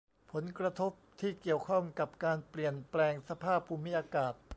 ผลกระทบที่เกี่ยวข้องกับการเปลี่ยนแปลงสภาพภูมิอากาศ